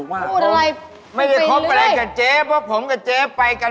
แว่งตาเบิร์ด